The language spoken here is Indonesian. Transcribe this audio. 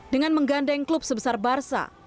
dengan menggandeng klub sebesar barca